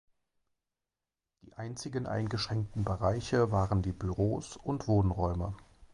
Die einzigen eingeschränkten Bereiche waren die Büros und Wohnräume.